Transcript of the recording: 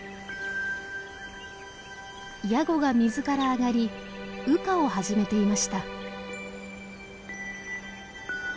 ヤゴが水から上がり羽化を始めていました。